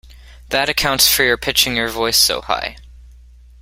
That accounts for your pitching your voice so high.